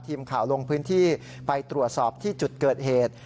ทีมข่าวลงพื้นที่ไปตรวจสอบที่จุดเกิดเหตุ